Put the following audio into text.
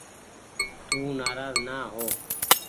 تو نآراز نآ هو ۔